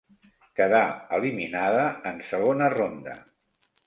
Quedà eliminada en segona ronda.